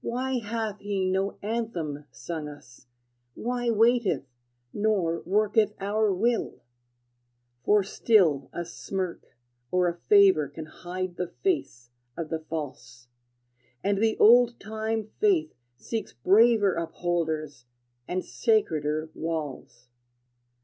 Why hath he no anthem sung us, Why waiteth, nor worketh our will? For still a smirk or a favor Can hide the face of the false; And the old time Faith seeks braver Upholders, and sacreder walls.